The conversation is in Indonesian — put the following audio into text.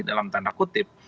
dalam tanda kutip